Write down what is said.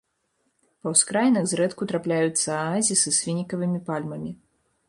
Па ўскраінах зрэдку трапляюцца аазісы з фінікавымі пальмамі.